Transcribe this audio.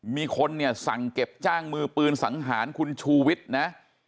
มีคนเนี่ยสั่งเก็บจ้างมือปืนสังหารคุณชูวิทย์นะ